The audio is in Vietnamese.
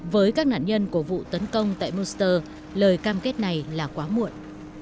với các nạn nhân của vụ tấn công tại moster lời cam kết này là quá muộn